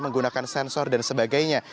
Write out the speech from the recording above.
menggunakan sensor dan sebagainya